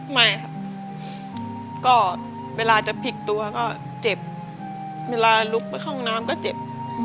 ไม่ครับก็เวลาจะพลิกตัวก็เจ็บเวลาลุกไปเข้าห้องน้ำก็เจ็บ